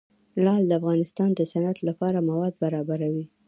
لعل د افغانستان د صنعت لپاره مواد برابروي.